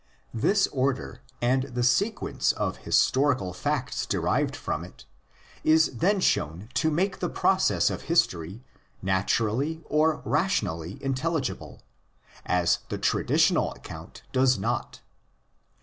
This order, and the sequence of historical facts derived from it, is then shown to make the process of history naturally or rationally intelligible, as the traditional account does not.